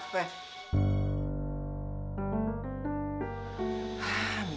mudah mudahan aja nih